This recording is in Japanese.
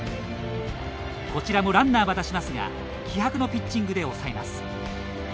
こちらもランナーは出しますが気迫のピッチングで抑えます。